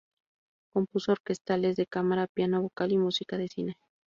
Compuso orquestales, de cámara, piano, vocal, y música de cine.